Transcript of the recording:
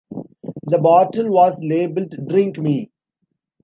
The bottle was labelled "drink me".